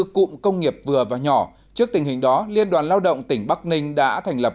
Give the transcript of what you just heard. hai mươi bốn cụm công nghiệp vừa và nhỏ trước tình hình đó liên đoàn lao động tỉnh bắc ninh đã thành lập